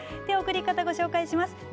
送り方、ご紹介します。